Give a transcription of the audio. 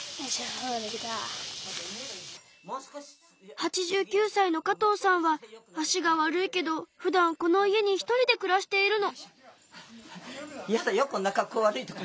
８９歳の加藤さんは足が悪いけどふだんこの家にひとりでくらしているの。